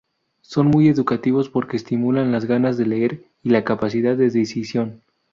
Son muy educativos porque estimulan las ganas de leer y la capacidad de decisión.